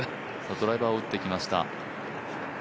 ドライバーを打ってきました。